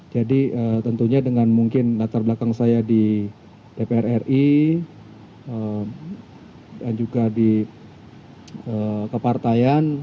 jadi tentunya dengan mungkin latar belakang saya di dpr ri dan juga di kepartayaan